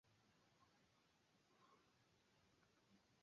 kebo ya vituo hamsini pamoja Marehemu Ruge Mutahaba amekuwa mchango mkubwa sana